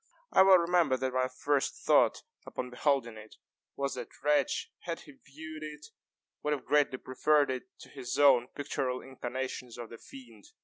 I well remember that my first thought, upon beholding it, was that Retzch, had he viewed it, would have greatly preferred it to his own pictural incarnations of the fiend.